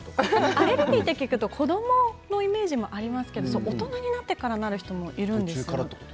アレルギーは子どものイメージもありますけれど大人になってなる人もいます。